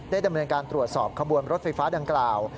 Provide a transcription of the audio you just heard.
ดำเนินการตรวจสอบขบวนรถไฟฟ้าดังกล่าว